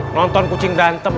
nonton kucing dantem